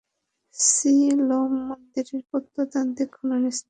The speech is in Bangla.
সিলোম মন্দিরের প্রত্নতাত্ত্বিক খনন স্হানে।